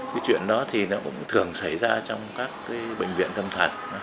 cái chuyện đó cũng thường xảy ra trong các bệnh viện tâm thần